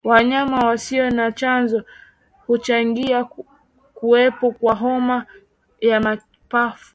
Wanyama wasio na chanjo huchangia kuwepo kwa homa ya mapafu